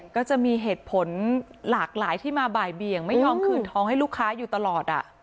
ก็จะมีเหตุผลหลากหลายที่มาบ่ายเบียงไม่ยอมคืนทองให้ลูกค้าอยู่ตลอด